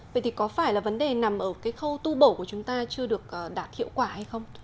vậy thì có phải là vấn đề nằm ở cái khâu tu bổ của chúng ta chưa được đạt hiệu quả hay không